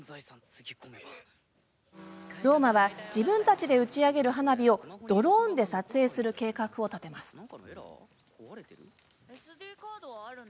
ロウマは自分たちで打ち上げる花火をドローンで撮影する計画を立てます。